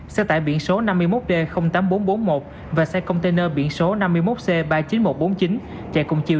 xe tải biển số năm mươi một d tám nghìn bốn trăm bốn mươi một và xe container biển số năm mươi một c ba mươi chín nghìn một trăm bốn mươi chín chạy cùng chiều